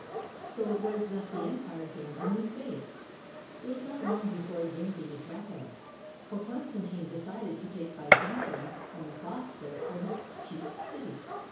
So it was that the empire gained a new faith. It was not long before it gained a new capital, for Constantine decided to take Byzantium on the Bosphorus for his chief city.